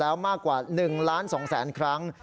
แล้วมากกว่า๑ล้าน๒แสนครั้ง